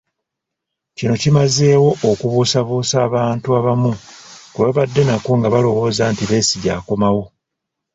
Kino kimazeewo okubuusabuusa abantu abamu kwe babadde nakwo nga balowooza nti Besigye akomawo.